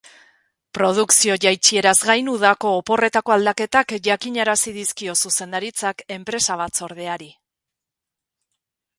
Produkzio jaitsieraz gain, udako oporretako aldaketak jakinarazi dizkio zuzendaritzak enpresa batzordeari.